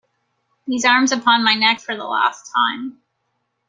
These arms upon my neck for the last time!